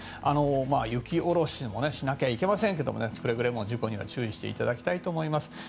雪下ろしもしなきゃいけませんけどくれぐれも事故には注意していただきたいと思います。